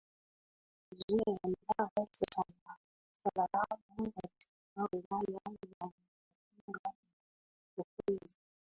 kusini ya Dar es salaam katika Wilaya za Mkuranga na Rufiji